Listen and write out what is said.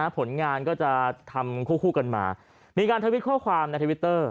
ผลงานก็จะทำคู่กันมามีการทวิตข้อความในทวิตเตอร์